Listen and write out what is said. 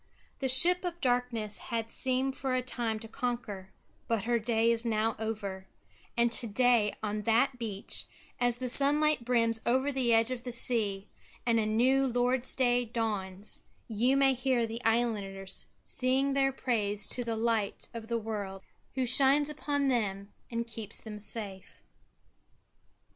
The ship of darkness had seemed for a time to conquer, but her day is now over; and to day on that beach, as the sunlight brims over the edge of the sea, and a new Lord's Day dawns, you may hear the islanders sing their praise to the Light of the World, Who shines upon them and keeps them safe.